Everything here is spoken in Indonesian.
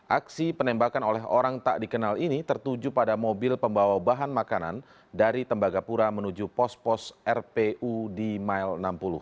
aksi penembakan oleh orang tak dikenal ini tertuju pada mobil pembawa bahan makanan dari tembagapura menuju pos pos rpu di mile enam puluh